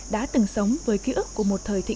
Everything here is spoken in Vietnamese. đã từng sống với ký ức của một thủ công nghiệp